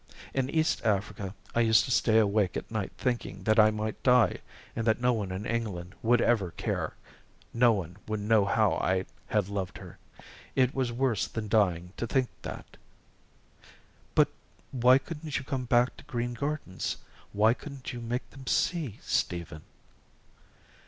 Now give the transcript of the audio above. In East Africa I used to stay awake at night thinking that I might die, and that no one in England would ever care no one would know how I had loved her. It was worse than dying to think that." "But why couldn't you come back to Green Gardens why couldn't you make them see, Stephen?"